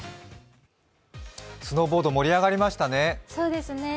スノーボード、盛り上がりましたね。